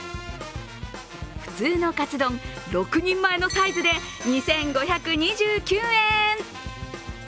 普通のカツ丼、６人前のサイズで２５２９円。